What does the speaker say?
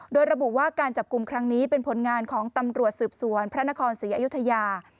โดยระบุว่าการจับกลุ่มครั้งนี้เป็นผลงานของตำรวจสืบสวนพระนครศรีอยุธยา